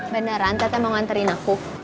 beneran tete mau nganterin aku